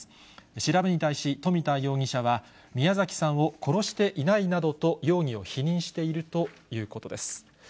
調べに対し冨田容疑者は、宮崎さんを殺していないなどと容疑を否認しているということです。